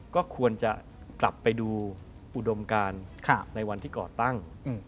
ก็ควรจะกลับไปดูอุดมการในวันที่ก่อตั้ง